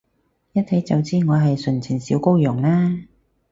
一睇就知我係純情小羔羊啦？